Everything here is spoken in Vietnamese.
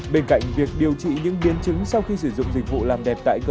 trong quá trình sau đấy làm thịt